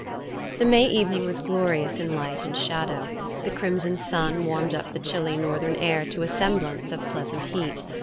The May evening was glorious in light and shadow. The crimson sun warmed up the chilly northern air to a semblance of pleasant heat.